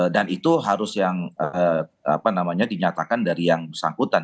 dan itu harus yang dinyatakan dari yang sangkutan